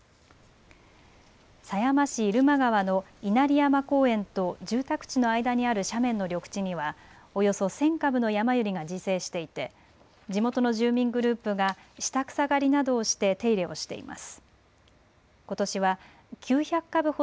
狭山市入間川の稲荷山公園と住宅地の間にある斜面の緑地にはおよそ１０００株のヤマユリが自生していて地元の住民グループが下草刈りなどをして手入れをしています。